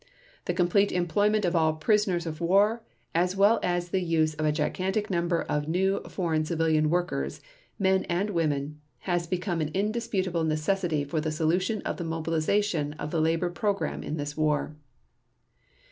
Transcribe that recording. ... The complete employment of all prisoners of war, as well as the use of a gigantic number of new foreign civilian workers, men and women, has become an indisputable necessity for the solution of the mobilization of the labor program in this war."